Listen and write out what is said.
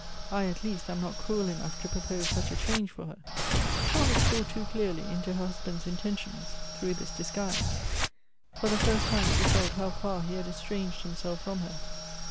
I, at least, am not cruel enough to propose such a change for her !" Charlotte saw too clearly into her husband's intentions, through this disguise. For the first time she felt how far he had estranged himself from her.